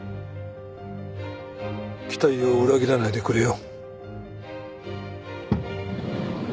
期待を裏切らないでくれよ。